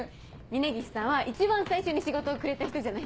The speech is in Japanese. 峰岸さんは一番最初に仕事をくれた人じゃないですか。